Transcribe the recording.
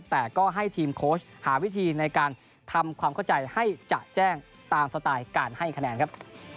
แต่ก็ให้ทีมโค้ชหาวิธีในการทำความเข้าใจให้จะแจ้งตามสไตล์การให้คะแนนครับ